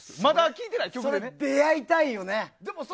それに出会いたいよね。